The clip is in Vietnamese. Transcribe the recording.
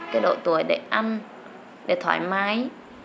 cái độ tuổi để ăn để thoải mái